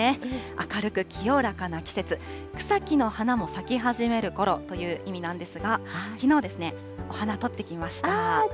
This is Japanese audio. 明るく清らかな季節、草木の花も咲き始めるころという意味なんですが、きのう、お花、撮ってきました。